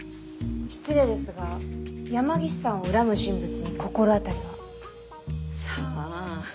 失礼ですが山岸さんを恨む人物に心当たりは？さあ。